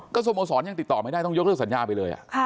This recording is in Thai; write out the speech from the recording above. สโมสรยังติดต่อไม่ได้ต้องยกเลิกสัญญาไปเลย